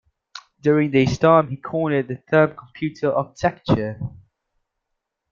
During this time he coined the term computer architecture.